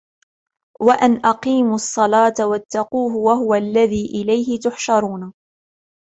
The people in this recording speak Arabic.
وَأَنْ أَقِيمُوا الصَّلَاةَ وَاتَّقُوهُ وَهُوَ الَّذِي إِلَيْهِ تُحْشَرُونَ